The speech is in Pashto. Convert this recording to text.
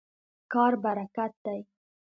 کار برکت دی.